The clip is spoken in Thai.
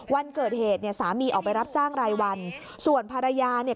วันเกิดเหตุเนี่ยสามีออกไปรับจ้างรายวันส่วนภรรยาเนี่ย